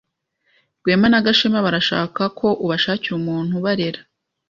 Rwema na Gashema barashaka ko ubashakira umuntu ubarera.